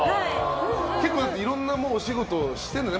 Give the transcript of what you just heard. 結構いろんなお仕事してるんだよね